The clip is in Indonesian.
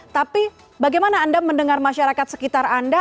tapi bagaimana anda mendengar masyarakat sekitar anda